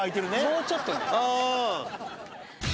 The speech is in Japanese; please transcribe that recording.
もうちょっとね。